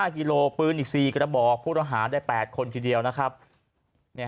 กิโลปืนอีกสี่กระบอกผู้ต้องหาได้แปดคนทีเดียวนะครับเนี่ย